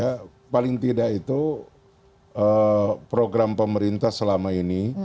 ya paling tidak itu program pemerintah selama ini